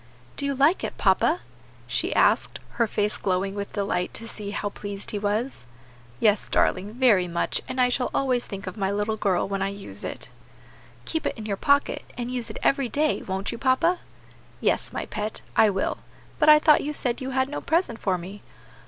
"Do you like it, papa?" she asked, her face glowing with delight to see how pleased he was. "Yes, darling, very much; and I shall always think of my little girl when I use it." "Keep it in your pocket, and use it every day, won't you, papa?" "Yes, my pet, I will; but I thought you said you had no present for me?"